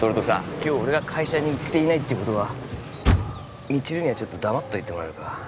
今日俺が会社に行っていないっていうことは未知留にはちょっと黙っといてもらえるか？